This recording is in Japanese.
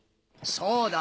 そうだ！